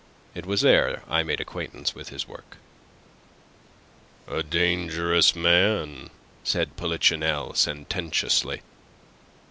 It was there I made acquaintance with his work." "A dangerous man," said Polichinelle, sententiously.